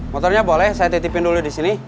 motornya boleh saya titipin dulu disini